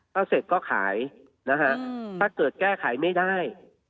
ถ้าเสร็จก็ขายนะฮะถ้าเกิดแก้ไขไม่ได้